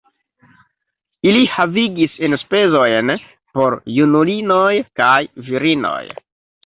Ili havigis enspezojn por junulinoj kaj virinoj.